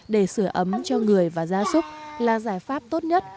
để sửa ấm cho người và gia súc là giải pháp tốt nhất